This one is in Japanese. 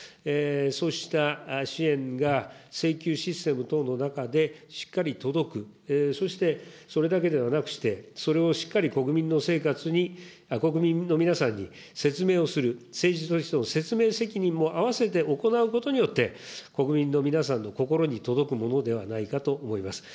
そうした支援が請求システム等の中でしっかり届く、そしてそれだけではなくして、それをしっかり国民の生活に、国民の皆さんに説明をする、政治としての説明責任も合わせて行うことによって、国民の皆さんの心に届くものではないかと思います。